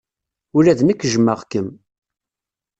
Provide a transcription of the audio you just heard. Ula d nekk jjmeɣ-kem.